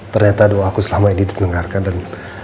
ternyata doaku selama ini didengarkan dan